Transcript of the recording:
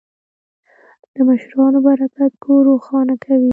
د مشرانو برکت کور روښانه کوي.